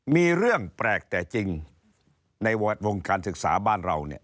มีเรื่องแปลกแต่จริงในวงการศึกษาบ้านเราเนี่ย